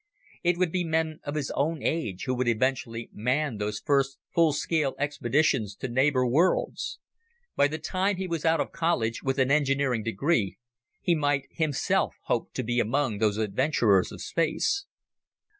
It would be men of his own age who would eventually man those first full scale expeditions to neighbor worlds. By the time he was out of college, with an engineering degree, he might himself hope to be among those adventurers of space.